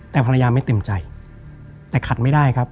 แต่ภรรยาไม่เต็มใจแต่ขัดไม่ได้ครับ